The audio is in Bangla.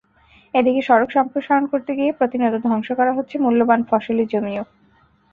এদিকে, সড়ক সম্প্রসারণ করতে গিয়ে প্রতিনিয়ত ধ্বংস করা হচ্ছে মূল্যবান ফসলি জমিও।